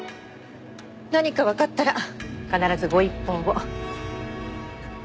何かわかったら必ずご一報を。